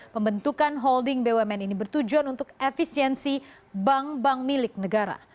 pembentukan holding bumn ini bertujuan untuk efisiensi bank bank milik negara